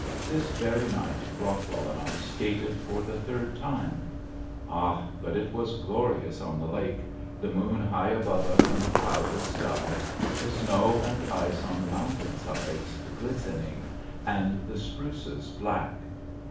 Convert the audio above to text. This very night Rockwell and I skated for the third time, Ah, but it was glorious on the lake, the moon high above us in a cloudless sky, the snow and ice on the mountain sides glistening and the spruces black.